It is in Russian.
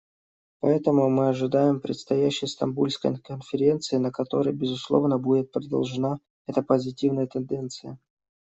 Поэтому мы ожидаем предстоящей Стамбульской конференции, на которой, безусловно, будет продолжена эта позитивная тенденция.